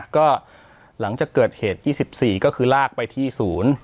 ก็หลังจากเกิดเหตุ๒๔ก็คือลากไปที่ศูนย์